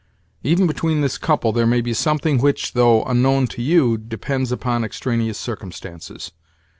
Even between this couple there may be something which, though unknown to you, depends upon extraneous circumstances.